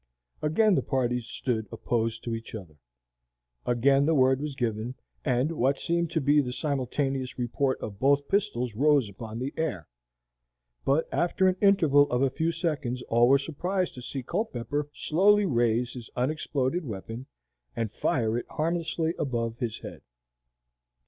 Again the parties stood opposed to each other. Again the word was given, and what seemed to be the simultaneous report of both pistols rose upon the air. But after an interval of a few seconds all were surprised to see Culpepper slowly raise his unexploded weapon and fire it harmlessly above his head.